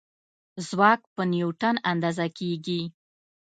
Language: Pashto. ځواک په نیوټن اندازه کېږي.